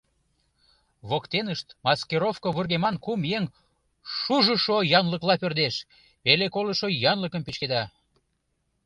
Воктенышт маскировко вургеман кум еҥ шужышо янлыкла пӧрдеш, пеле колышо янлыкым пӱчкеда.